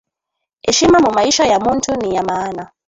Eshima mumaisha ya muntu niya maana